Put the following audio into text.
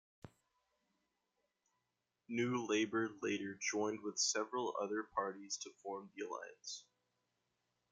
NewLabour later joined with several other parties to form the Alliance.